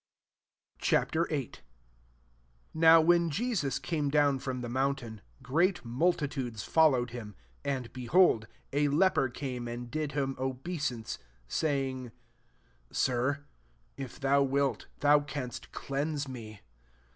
C«.Vin. 1 NOW, when y^Mi* eame dawn from the nMMintam, great multitudes followed him 2 And, behold a leper came and did hinir obeisance^ saying, <«Slr, if thou wik, thou canst cleanse me."